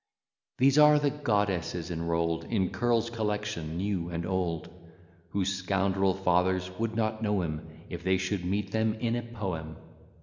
These are the goddesses enroll'd In Curll's collection, new and old, Whose scoundrel fathers would not know 'em, If they should meet them in a poem.